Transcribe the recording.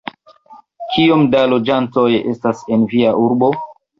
Kiom da loĝantoj estas en via urbo?